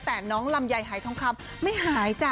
แต่น้องลำไยหายทองคำไม่หายจ้ะ